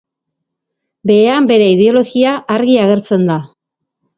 Behean bere ideologia argi agertzen da.